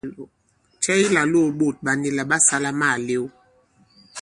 Cɛ ki làlōō ɓôt ɓa nila ɓa sālā àma màlew ?